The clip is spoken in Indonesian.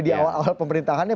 di awal awal pemerintahannya